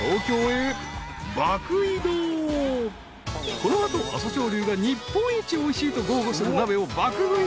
［この後朝青龍が日本一おいしいと豪語する鍋を爆食い。